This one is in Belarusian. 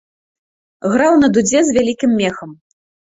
Граў на дудзе з вялікім мехам.